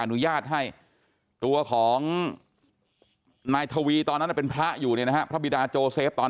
อนุญาตให้ตัวของนายทวีตอนนั้นเป็นพระอยู่เนี่ยนะฮะพระบิดาโจเซฟตอน